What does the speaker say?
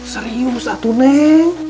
serius satu neng